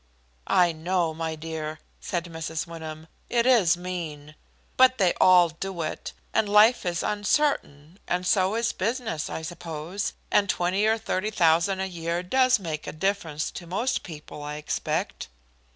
"I know, my dear," said Mrs. Wyndham, "it is mean; but they all do it, and life is uncertain, and so is business I suppose, and twenty or thirty thousand a year does make a difference to most people, I expect."